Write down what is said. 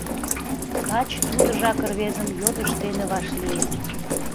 Лач тудыжак рвезым йодыш дене вашлие: